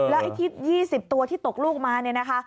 แล้วที่๒๐ตัวที่ตกลูกมานะนะคะ